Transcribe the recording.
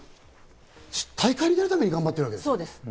大会に出るために頑張ってるわけです。